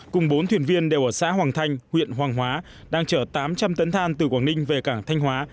cùng bốn thuyền viên đều ở xã hoàng thanh huyện hoàng hóa đang chở tám trăm linh tấn than từ quảng ninh về cảng thanh hóa